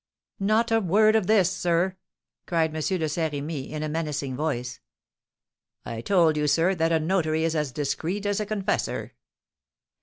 "Not a word of this, sir!" cried M. de Saint Remy, in a menacing voice. "I told you, sir, that a notary is as discreet as a confessor."